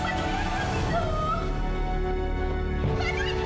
mbak juli kenapa